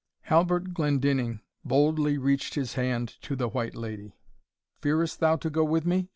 Halbert Glendinning boldly reached his hand to the White Lady. "Fearest thou to go with me?"